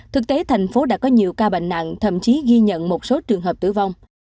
thực tế thành phố đã có nhiều ca bệnh nặng thậm chí ghi nhận một số trường hợp tử vong